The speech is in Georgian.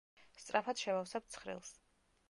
სწრაფად შევავსებ ცხრილს.